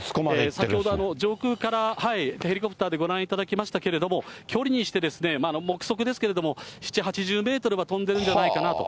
先ほど上空からヘリコプターでご覧いただきましたけれども、距離にしてですね、目測ですけれども、７、８０メートルは飛んでるんじゃないかなと。